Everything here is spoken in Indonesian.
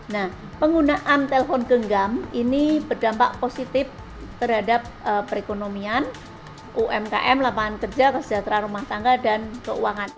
nah penggunaan telpon genggam ini berdampak positif terhadap perekonomian umkm lapangan kerja kesejahteraan rumah tangga dan keuangan